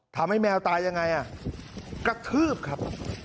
แมวตายยังไงอ่ะกระทืบครับ